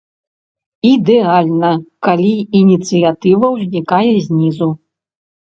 Ідэальна, калі ініцыятыва ўзнікае знізу.